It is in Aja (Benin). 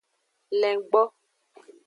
Lengbo.